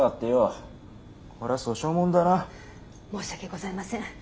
申し訳ございません。